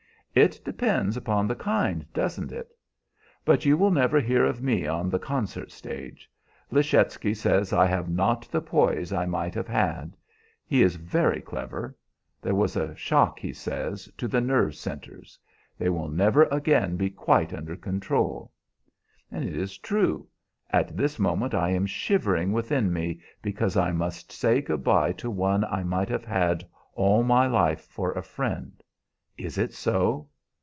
"It depends upon the kind, doesn't it? But you will never hear of me on the concert stage. Leschetizky says I have not the poise I might have had. He is very clever. There was a shock, he says, to the nerve centres. They will never again be quite under control. It is true. At this moment I am shivering within me because I must say good by to one I might have had all my life for a friend. Is it so?"